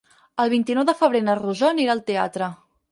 El vint-i-nou de febrer na Rosó anirà al teatre.